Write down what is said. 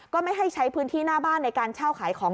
ไม่ให้ใช้พื้นที่หน้าบ้านในการเช่าขายของ